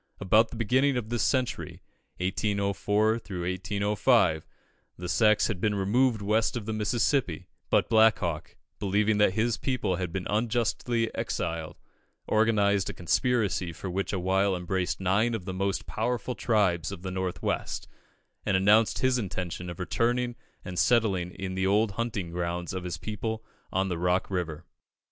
About the beginning of this century (1804 5), the Sacs had been removed west of the Mississippi; but Black Hawk, believing that his people had been unjustly exiled, organised a conspiracy which for a while embraced nine of the most powerful tribes of the North West, and announced his intention of returning and settling in the old hunting grounds of his people on the Rock River.